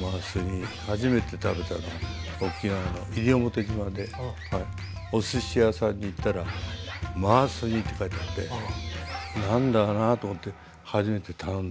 マース煮初めて食べたのは沖縄の西表島でおすし屋さんに行ったら「マース煮」って書いてあって何だろなと思って初めて頼んで。